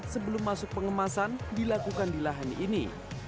sebelum masuk pengemasan dilakukan di lahan ini